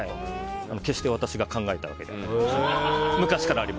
決して私が考えたわけじゃないです。